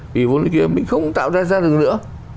vì vốn lý kia mình không tạo ra ra được nữa